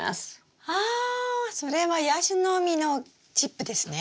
あそれはヤシの実のチップですね？